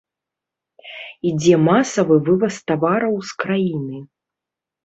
Ідзе масавы вываз тавараў з краіны.